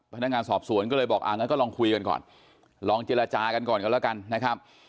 พนักงานสอบสวนก็เลยบอกอ่างั้นก็ลองคุยกันก่อนลองเจรจากันก่อนกันแล้วกันนะครับ